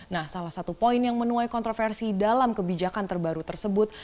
nah salah satu poin yang menuai kontroversi dalam kebijakan terbaru tersebut